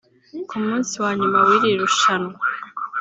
Ku munsi wa nyuma w’iri rushanwa